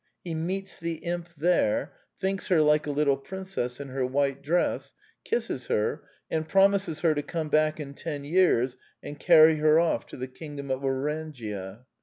He meets the imp there; thinks her like a litde princess in her white dress; kisses her; and promises her to come back in ten years and carry her off to the kingdom of Orangia.